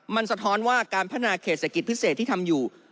มันสะท้อนว่าการพัฒนาเขตเศรษฐกิจพิเศษที่ทำอยู่